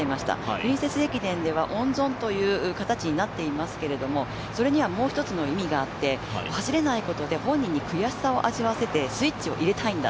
プリンセス駅伝では温存という形になっていますけれども、それにはもう一つの意味があって、走れないことで本人に悔しさを味わわせてスイッチを入れたいんだ。